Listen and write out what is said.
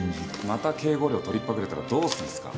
また警護料を取りっぱぐれたらどうするんですか？